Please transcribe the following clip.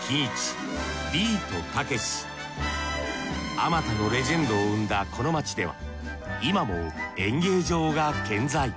あまたのレジェンドを生んだこの街では今も演芸場が健在。